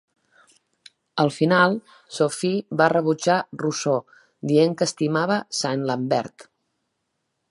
Al final, Sophie va rebutjar Rousseau, dient que estimava Saint-Lambert.